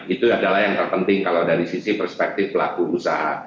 itu adalah yang terpenting kalau dari sisi perspektif pelaku usaha